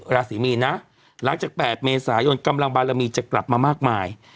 ราศีมีนนะหลังจาก๘เมษายนกำลังบารมีจะกลับมามากมาย